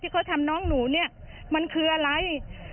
เขาทำน้องหนูเนี่ยมันคืออะไร